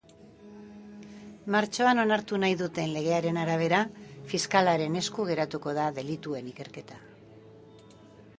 Martxoan onartu nahi duten legearen arabera, fiskalaren esku geratuko da delituen ikerketa.